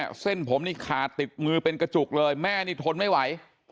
เส้นผมนี่ขาดติดมือเป็นกระจุกเลยแม่นี่ทนไม่ไหว